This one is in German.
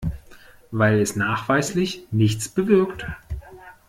Weil es nachweislich nichts bewirkt.